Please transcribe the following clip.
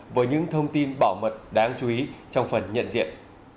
với những thông tin bảo mật đáng chú ý trong phần nhận diện